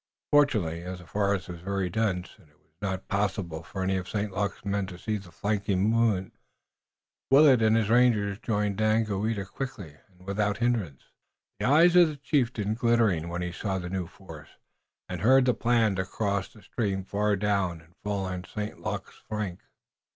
Fortunately, as the forest was very dense, and it was not possible for any of St. Luc's men to see the flanking movement, Willet and his rangers joined Daganoweda quickly and without hindrance, the eyes of the chieftain glittering when he saw the new force, and heard the plan to cross the stream far down and fall on St. Luc's flank.